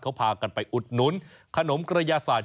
เขาพากันไปอุดหนุนขนมกระยาศาสต